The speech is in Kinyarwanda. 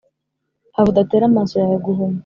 have udatera amaso yawe guhuma